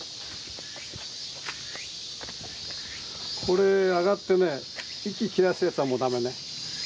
これ上がってね息切らすやつはもう駄目ね。